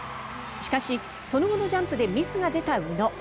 しかし、その後のジャンプでミスが出た宇野。